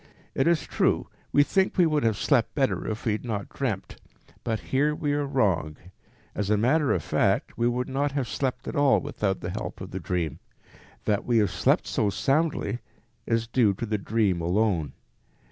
It is true, we think we would have slept better if we had not dreamt, but here we are wrong; as a matter of fact, we would not have slept at all without the help of the dream. That we have slept so soundly is due to the dream alone.